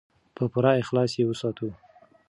په پوره اخلاص یې وساتو.